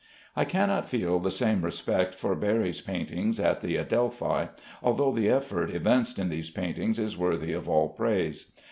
I cannot feel the same respect for Barry's paintings at the Adelphi, although the effort evinced in these paintings is worthy of all praise.